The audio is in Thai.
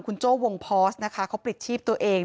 คุณโจ้วงพอสนะคะเขาปลิดชีพตัวเอง